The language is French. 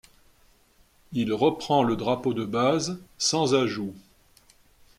Il reprend le drapeau de base, sans ajouts.